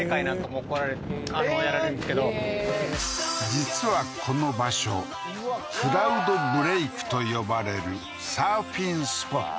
実はこの場所クラウドブレイクと呼ばれるサーフィンスポット